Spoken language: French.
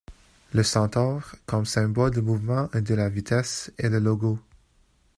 Le centaure, comme symbole du mouvement et de la vitesse, est le logo.